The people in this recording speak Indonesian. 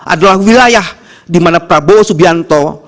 adalah wilayah dimana prabowo subianto